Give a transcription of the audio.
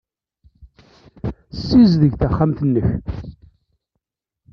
Ssizdeg taxxamt-nnek.